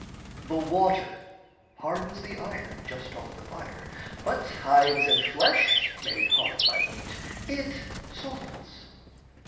The water hardens the iron just off the fire, But hides and flesh (made hard by heat) it softens.